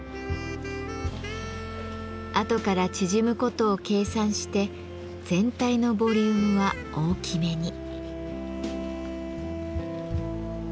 後から縮むことを計算して全体のボリュームは大きめに。